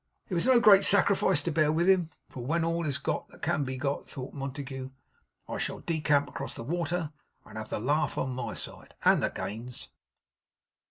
It was no great sacrifice to bear with him; 'for when all is got that can be got,' thought Montague, 'I shall decamp across the water, and have the laugh on my side and the gains.